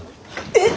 えっ！